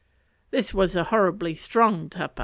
This was a horribly strong tapa.